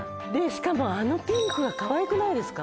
しかもあのピンクがかわいくないですか？